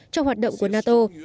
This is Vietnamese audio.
trong hoạt động của nato